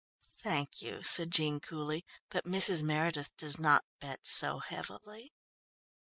"Thank you," said Jean coolly, "but Mrs. Meredith does not bet so heavily."